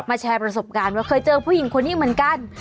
แชร์ประสบการณ์ว่าเคยเจอผู้หญิงคนนี้เหมือนกัน